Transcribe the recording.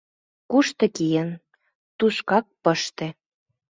Кушто киен — тушкак пыште.